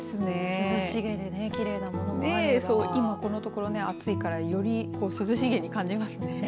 涼し気できれいなものもあればこのところ暑いからより涼しげに感じますね。